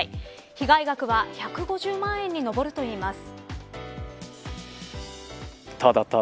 被害額は１５０万円に上るといいます。